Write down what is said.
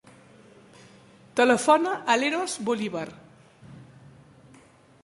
Telefona a l'Eros Bolivar.